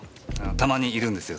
たまにいるんですよ